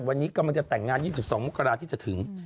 วันนี้กำลังจะแต่งงาน๒๒มกราที่จะถึง